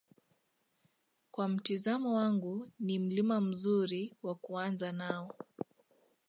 kwa mtizamo wangu ni Mlima mzuri wa kuanza nao